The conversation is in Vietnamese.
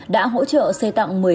đã hỗ trợ xây tặng